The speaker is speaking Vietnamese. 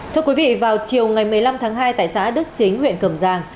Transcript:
thưa quý vị vào chiều ngày một mươi năm tháng hai tại xã đức chính huyện cầm giang